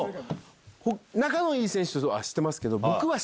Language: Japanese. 仲のいい選手とはしてますけど。